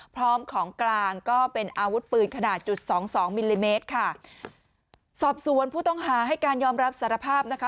พร้อมของกลางก็เป็นอาวุธปืนขนาดจุดสองสองมิลลิเมตรค่ะสอบสวนผู้ต้องหาให้การยอมรับสารภาพนะคะ